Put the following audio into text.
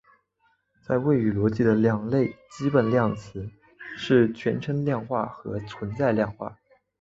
在谓词逻辑的两类基本量化是全称量化和存在量化。